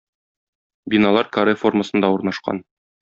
Биналар каре формасында урнашкан.